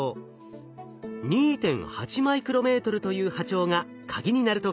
２．８マイクロメートルという波長がカギになると考えたのです。